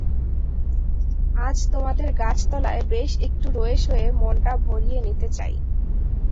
আজ তোমাদের গাছতলায় বেশ একটু রয়ে-সয়ে মনটা ভরিয়ে নিতে চাই।